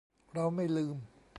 เราไม่ลืม